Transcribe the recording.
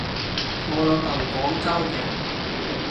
我老豆廣州嘅